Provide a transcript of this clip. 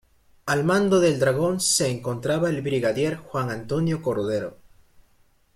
Al mando del "Dragón" se encontraba el brigadier Juan Antonio Cordero.